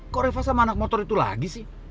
kok reva sama anak motor itu lagi sih